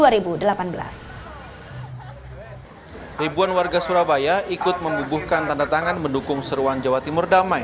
ribuan warga surabaya ikut membubuhkan tanda tangan mendukung seruan jawa timur damai